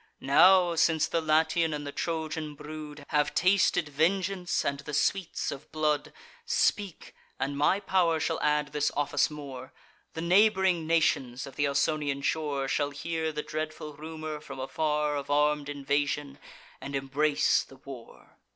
Now, since the Latian and the Trojan brood Have tasted vengeance and the sweets of blood; Speak, and my pow'r shall add this office more: The neighbr'ing nations of th' Ausonian shore Shall hear the dreadful rumour, from afar, Of arm'd invasion, and embrace the war."